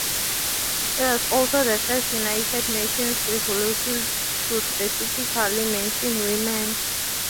It was also the first United Nations resolution to specifically mention women.